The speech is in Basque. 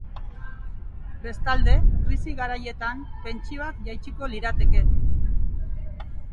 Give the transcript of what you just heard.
Bestalde, krisi garaietan, pentsioak jaitsiko lirateke.